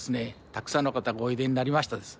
たくさんの方がおいでになりましたです。